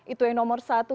itu yang nomor satu